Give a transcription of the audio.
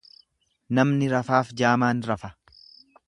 Namni rafaaf jaamaan rafa.